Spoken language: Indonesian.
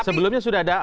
sebelumnya sudah ada